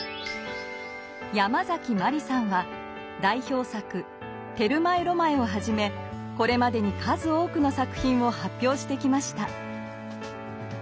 ヤマザキマリさんは代表作「テルマエ・ロマエ」をはじめこれまでに数多くの作品を発表してきました。